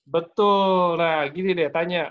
betul nah gini deh tanya